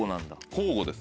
交互です